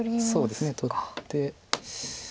そうですね取って。